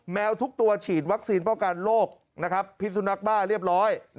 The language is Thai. แมวทุกตัวฉีดวัคซีนป้องกันโรคพิษสุนักบ้าเรียบร้อย